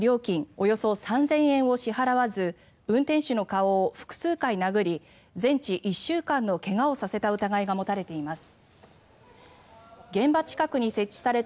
およそ３０００円を支払わず運転手の顔を複数回殴り全治１週間の怪我をさせた疑いが持たれています。